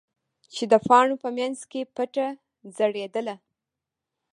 چې د پاڼو په منځ کې پټه ځړېدله.